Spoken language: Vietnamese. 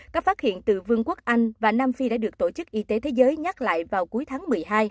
các phát hiện từ vương quốc anh và nam phi đã được tổ chức y tế thế giới nhắc lại vào cuối tháng một mươi hai